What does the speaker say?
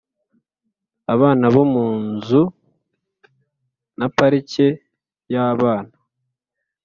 abana bo munzu na parike yabana